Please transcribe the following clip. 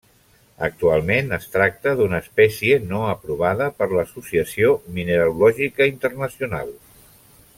Actualment, es tracta d'una espècie no aprovada per l'Associació Mineralògica Internacional.